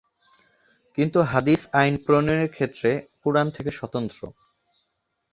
কিন্তু হাদিস আইন প্রণয়নের ক্ষেত্রে কুরআন থেকে স্বতন্ত্র।